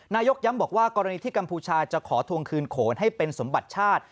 นายกย้ำบอกว่ากรณีที่กัมพูชาจะขอทวงคืนโขนให้เป็นสมบัติชาติ